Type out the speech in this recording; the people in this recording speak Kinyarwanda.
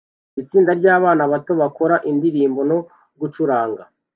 itsinda ryabana bato bakora indirimbo no gucuranga